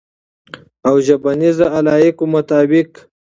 او ژبنیز علایقو مطابق